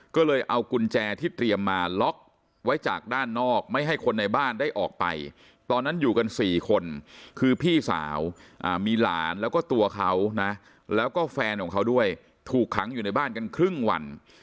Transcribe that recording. ก็เลยเอากุญแจที่เตรียมมาล็อกไว้จากด้านนอกไม่ให้คนในบ้านได้ออกไปตอนนั้นอยู่กัน๔คนคือพี่สาวมีหลานแล้วก็ตัวเขานะแล้วก็แฟนของเขาด้วยถูกขังอยู่ในบ้านกันครึ่งวัน